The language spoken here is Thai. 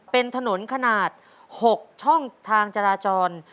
เป็นถนนขนาด๖ช่องทางจราจร